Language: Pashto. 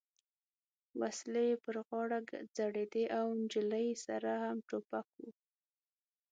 وسلې یې پر غاړه ځړېدې او نجلۍ سره هم ټوپک و.